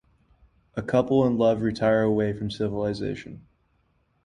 A couple in love retire away from civilization.